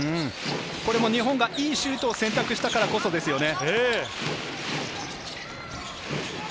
これが日本が良いシュートを選択したからこそですよね。